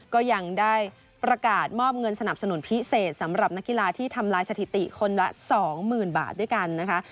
ก็ยังได้ประกาศมอบเงินสนับสนุนพิเศษสำหรับนักกีฬาที่ทำลายสถิติคนละ๒๐๐๐บาทด้วยกันนะคะ